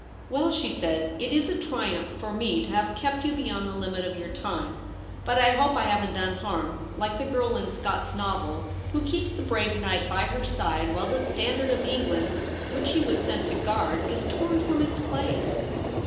' Well,' she said, * it Is a triumph for me to have kept you beyond the limit of your time. But I hope I haven't done harm, like the girl in Scott's novel who keeps the brave knight by her side, while the standard of England, which he was sent to guard, is torn from Its place.'